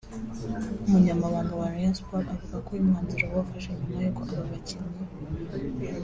umunyamabanga wa Rayon Sports avuga ko uyu mwanzuro bawufashe nyuma y’uko aba bakinnyi